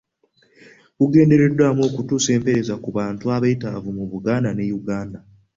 Gugendereddwamu okutuusa empereeza ku bantu abeetaavu mu Buganda ne Yuganda.